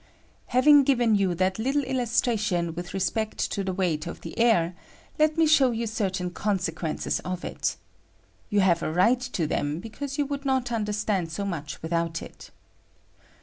Having given you that little illustration with respect to the weight of the air, let me show you certain consequences of it You have a right to them, because you would not under stand so much without it.